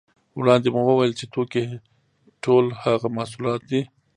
وړاندې مو وویل چې توکي ټول هغه محصولات دي